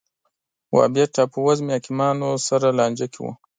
وهابیت ټاپووزمې حاکمانو سره لانجه کې و